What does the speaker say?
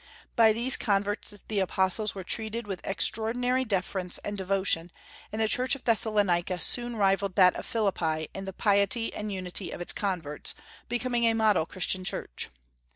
By these converts the apostles were treated with extraordinary deference and devotion, and the church of Thessalonica soon rivalled that of Philippi in the piety and unity of its converts, becoming a model Christian church.